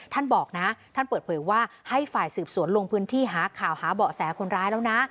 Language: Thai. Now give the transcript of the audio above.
บอกนะท่านเปิดเผยว่าให้ฝ่ายสืบสวนลงพื้นที่หาข่าวหาเบาะแสคนร้ายแล้วนะ